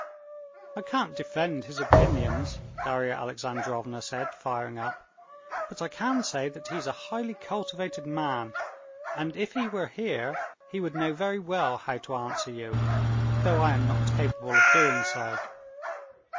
"I can't defend his opinions," Darya Alexandrovna said, firing up; "but I can say that he's a highly cultivated man, and if he were here he would know very well how to answer you, though I am not capable of doing so."